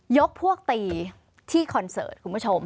ยกพวกตีที่คอนเสิร์ตคุณผู้ชม